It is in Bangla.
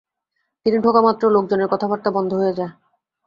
তিনি ঢোকামাত্র লোকজনের কথাবার্তা বন্ধ হয়ে যায়।